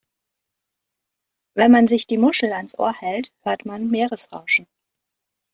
Wenn man sich die Muschel ans Ohr hält, hört man Meeresrauschen.